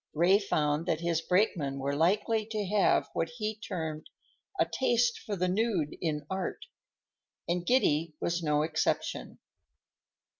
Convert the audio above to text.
Ray found that his brakemen were likely to have what he termed "a taste for the nude in art," and Giddy was no exception.